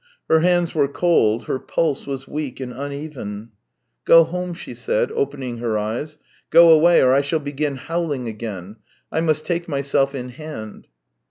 Her hands were cold, her pulse was weak and uneven. " Go home," she said, opening her eyes. " Go away, or I shall begin howling again. I must take myself in hand."